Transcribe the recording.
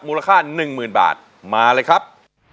มูลค่า๑๐๐๐บาทมาเลยครับ